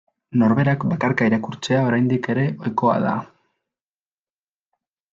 Norberak bakarka irakurtzea oraindik ere ohikoa da.